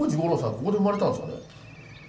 ここで生まれたんですかね？